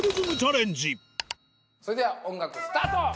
もしそれでは音楽スタート。